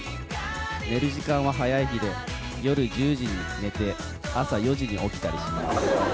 寝る時間は早い日で、夜１０時に寝て、朝４時に起きたりします。